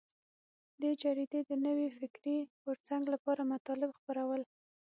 دې جریدې د نوي فکري غورځنګ لپاره مطالب خپرول.